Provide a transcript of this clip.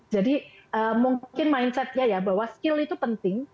jadi mungkin mindsetnya ya bahwa skill itu penting